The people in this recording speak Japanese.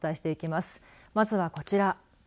まずは、こちら。